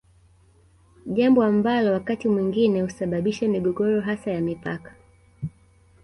Jambo ambalo wakati mwingine husababisha migogoro hasa ya mipaka